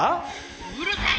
うるさい！